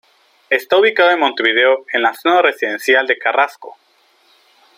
Está ubicado en Montevideo, en la zona residencial de Carrasco.